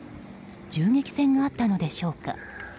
銃撃戦があったのでしょうか。